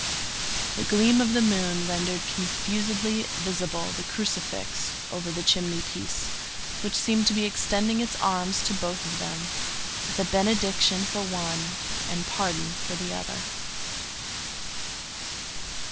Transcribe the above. The gleam of the moon rendered confusedly visible the crucifix over the chimney piece, which seemed to be extending its arms to both of them, with a benediction for one and pardon for the other.